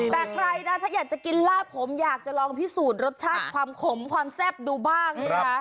แต่ใครนะถ้าอยากจะกินลาบผมอยากจะลองพิสูจน์รสชาติความขมความแซ่บดูบ้างนะคะ